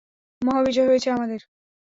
মহাবিজয় হয়েছে আমাদের!